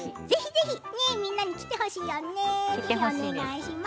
みんなに来てほしいよね。